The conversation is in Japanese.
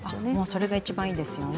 それが一番いいですよね。